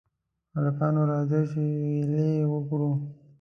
هلکانو! راځئ چې غېلې وکړو.